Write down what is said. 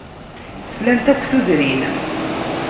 Slant akk tudrin.